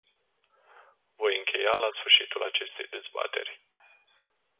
Voi încheia la sfârșitul acestei dezbateri.